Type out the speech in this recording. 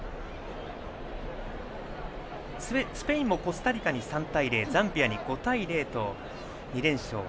スペインもコスタリカに３対０ザンビアに５対０と２連勝。